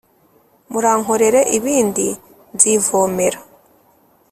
Murankorere ibindi nzivomera.